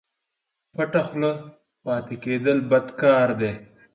پټه خوله پاته کېدل بد کار دئ